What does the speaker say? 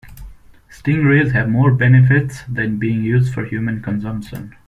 Stingrays have more benefits than being used for human consumption.